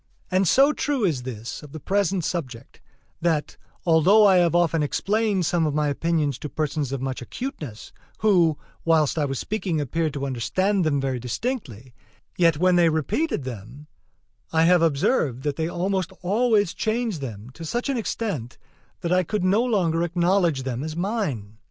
And so true is this of the present subject that, though I have often explained some of my opinions to persons of much acuteness, who, whilst I was speaking, appeared to understand them very distinctly, yet, when they repeated them, I have observed that they almost always changed them to such an extent that I could no longer acknowledge them as mine.